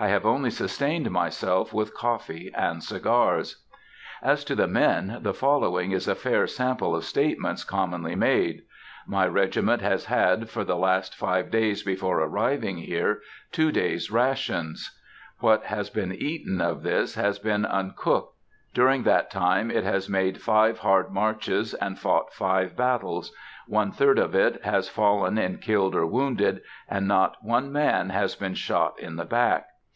I have only sustained myself with coffee and cigars." As to the men, the following is a fair sample of statements commonly made: "My regiment has had, for the last five days before arriving here, two days' rations; what has been eaten of this has been uncooked; during that time it has made five hard marches, and fought five battles; one third of it has fallen in killed or wounded, and not one man has been shot in the back.